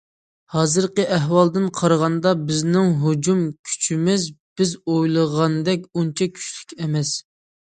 ھازىرقى ئەھۋالدىن قارىغاندا، بىزنىڭ ھۇجۇم كۈچىمىز بىز ئويلىغاندەك ئۇنچە كۈچلۈك ئەمەس.